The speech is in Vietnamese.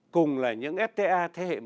cùng là những fta